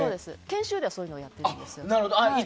研修ではそうやってるんです。